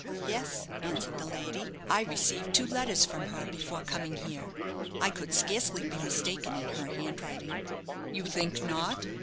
"Yes," answered the lady; "I received two letters from her before coming here. I could scarcely be mistaken in her handwriting." "You think not?